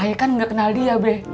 ayah kan gak kenal dia beb